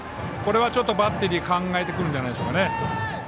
これはちょっとバッテリー考えてくるんじゃないでしょうか。